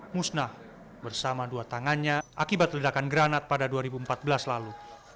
musnah bersama dua tangannya akibat ledakan granat pada dua ribu empat belas lalu